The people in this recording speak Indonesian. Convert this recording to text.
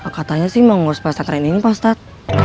katanya sih mau ngurus pasat training ini bang ustaz